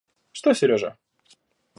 Что Сережа?